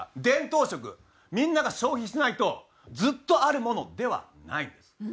伝統食みんなが消費しないとずっとあるものではないんです。